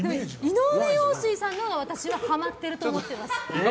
井上陽水さんのほうが私はハマってると思ってます。